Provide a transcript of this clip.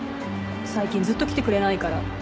最近ずっと来てくれないから。